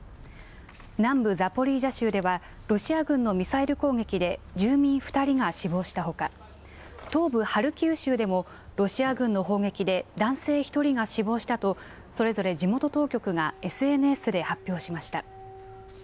南部ザポリージャ州では、ロシア軍のミサイル攻撃で住民２人が死亡したほか、東部ハルキウ州でも、ロシア軍の砲撃で男性１人が死亡したと、それぞれ地元当局がＳＮＳで発表しました。